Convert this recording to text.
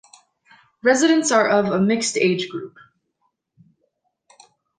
Residents are of a mixed age group.